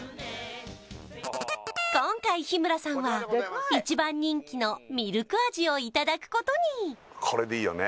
今回日村さんは一番人気のミルク味をいただくことにこれでいいよね